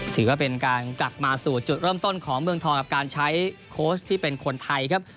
ถือว่าเป็นการกลับมาสู่จุดเริ่มต้นของเมืองทองกับการใช้โค้ชที่เป็นคนไทยครับ